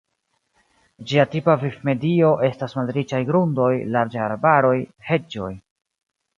Ĝia tipa vivmedio estas malriĉaj grundoj, larĝaj arbaroj, heĝoj.